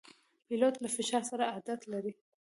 پیلوټ له فشار سره عادت لري.